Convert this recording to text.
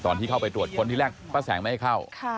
ที่เข้าไปตรวจค้นที่แรกป้าแสงไม่ให้เข้า